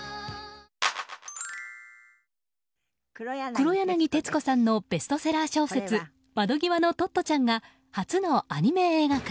黒柳徹子さんのベストセラー小説「窓ぎわのトットちゃん」が初のアニメ映画化。